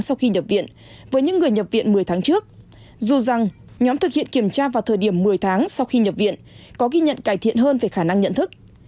sau khi nhập viện với những người nhập viện một mươi tháng trước dù rằng nhóm thực hiện kiểm tra vào thời điểm một mươi tháng sau khi nhập viện có ghi nhận cải thiện hơn về khả năng nhận thức